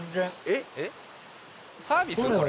えっ？サービス？